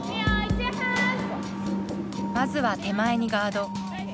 まずは手前にガード。